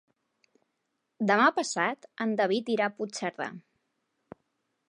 Demà passat en David irà a Puigcerdà.